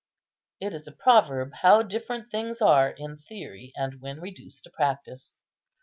It is a proverb how different things are in theory and when reduced to practice.